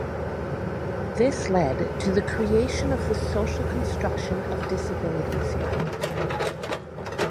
This led to the creation of the social construction of disability theory.